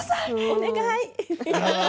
お願い！